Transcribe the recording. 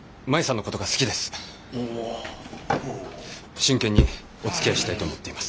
真剣におつきあいしたいと思っています。